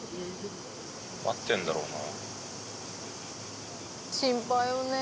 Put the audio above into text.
待ってるんだろうな。